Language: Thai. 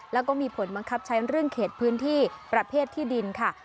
แล้วก็มีผลบังคับใช้เรื่องเขตพื้นที่ประเภทที่ดินค่ะ